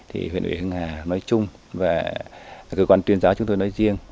thì huyện ủy hưng hà nói chung và cơ quan tuyên giáo chúng tôi nói riêng